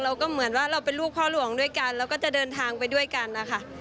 เราก็เหมือนว่าเราเป็นลูกพ่อหลวงด้วยกันเราก็จะเดินทางไปด้วยกันนะคะ